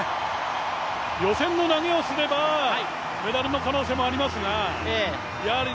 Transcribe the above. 予選の投げをすればメダルの可能性もありますが、やはり